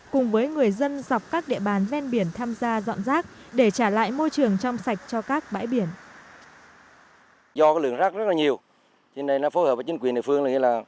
cùng với người dân dọc các địa bàn ven biển tham gia dọn rác để trả lại môi trường trong sạch cho các bãi biển